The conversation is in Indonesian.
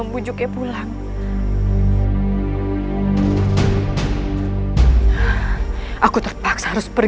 masuklah ke dalam